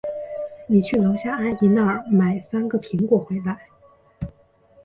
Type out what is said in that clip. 你去楼下阿姨那儿买三个苹果回来。